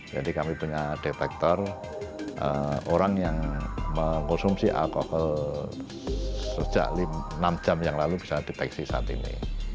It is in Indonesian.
jadi kami punya detektor orang yang mengonsumsi alkohol sejak enam jam yang lalu bisa deteksi saat ini